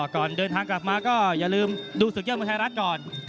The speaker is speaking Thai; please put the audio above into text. ก่อนเดินทางกลับมาก็อย่าลืมดูศิลป์เทพฯบรไทรัชนะครับ